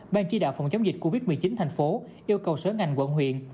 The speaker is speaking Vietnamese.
ban chỉ đạo phòng chống dịch covid một mươi chín thành phố yêu cầu sở ngành quận huyện